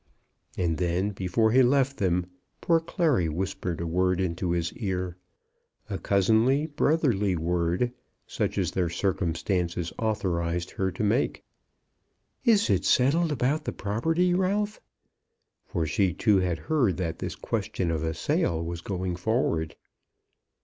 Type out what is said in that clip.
And then, before he left them, poor Clary whispered a word into his ear, a cousinly, brotherly word, such as their circumstances authorised her to make. "Is it settled about the property, Ralph?" For she, too, had heard that this question of a sale was going forward.